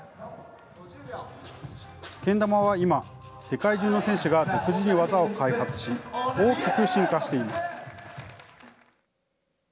けん玉は今、世界中の選手が独自に技を開発し、大きく進化しています。